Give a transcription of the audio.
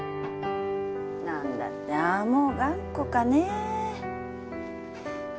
何だってああも頑固かねえ